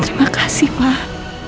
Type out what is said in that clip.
terima kasih pak